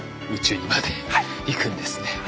宇宙にまで行くんですね。